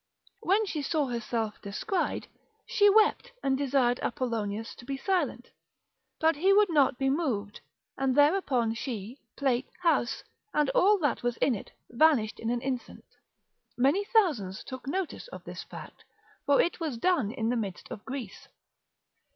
When she saw herself descried, she wept, and desired Apollonius to be silent, but he would not be moved, and thereupon she, plate, house, and all that was in it, vanished in an instant: many thousands took notice of this fact, for it was done in the midst of Greece.